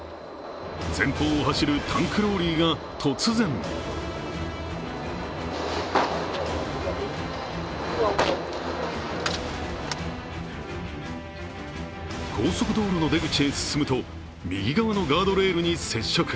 前方を走るタンクローリーがが突然高速道路の出口へ進むと、右側のガードレールに接触。